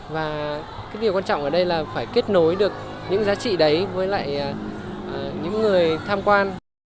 và cái điều quan trọng ở đây là phải kết nối được những giá trị đấy với lại những người tham quan